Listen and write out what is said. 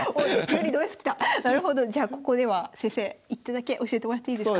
じゃあここでは先生一手だけ教えてもらっていいですか？